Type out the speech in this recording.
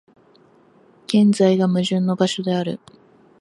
現在が矛盾の場所である。